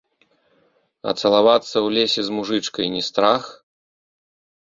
А цалавацца ў лесе з мужычкай не страх?